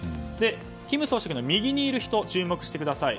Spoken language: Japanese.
金総書記の右にいる人に注目してください。